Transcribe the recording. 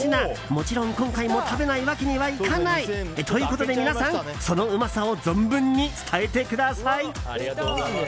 もちろん今回も食べないわけにはいかないということで皆さん、そのうまさをありがとうございます。